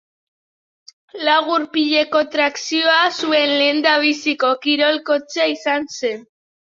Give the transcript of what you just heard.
Lau gurpileko trakzioa zuen lehendabiziko kirol-kotxea izan zen.